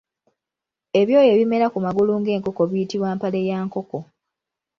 Ebyoya ebimera ku magulu g’enkoko biyitibwa mpale ya nkoko.